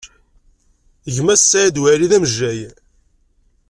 Gma-s n Saɛid Waɛli, d amejjay.